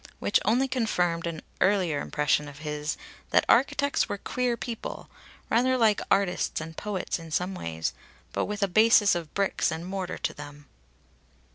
Which only confirmed an early impression of his that architects were queer people rather like artists and poets in some ways, but with a basis of bricks and mortar to them.